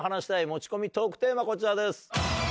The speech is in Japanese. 持ち込みトークテーマこちらです。